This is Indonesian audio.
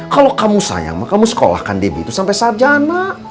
kalau kamu sayang kamu sekolahkan debbie itu sampai sarjana